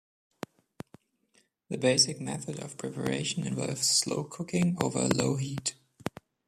The basic method of preparation involves slow cooking over a low heat.